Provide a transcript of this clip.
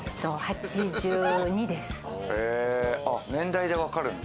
８２です。